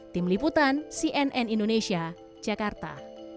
tim liputan cnn indonesia jakarta